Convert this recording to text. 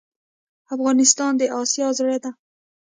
افغانستان د آسیا زړه ده.